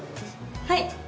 はい！